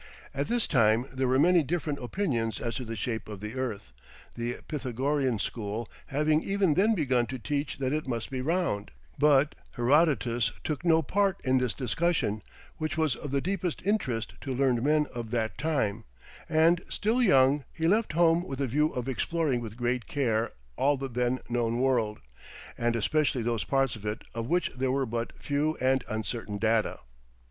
At this time there were many different opinions as to the shape of the earth: the Pythagorean school having even then begun to teach that it must be round, but Herodotus took no part in this discussion, which was of the deepest interest to learned men of that time, and, still young, he left home with a view of exploring with great care all the then known world, and especially those parts of it of which there were but few and uncertain data.